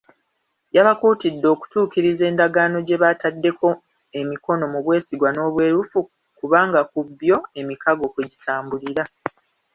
Yabakuutidde okutuukiriza endaaagano gye bataddeko emikono mu bwesigwa n'obwerufu kubanga ku bbyo, emikago kwegitambulira.